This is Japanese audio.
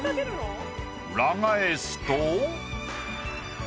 裏返すと。